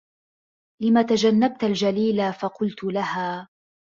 لِمَ تَجَنَّبْتَ الْجَلِيلَا فَقُلْت لَهَا